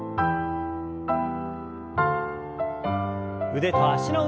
腕と脚の運動です。